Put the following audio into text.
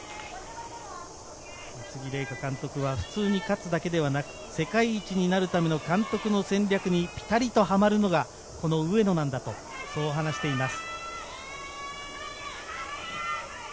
宇津木麗華監督は普通に勝つだけではなく、世界一になるための監督の戦略にピタリとハマるのが上野なんだと話しています。